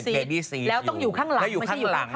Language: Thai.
เบบีซีดแล้วต้องอยู่ข้างหลังไม่ใช่อยู่ข้างด้วยใช่ไหม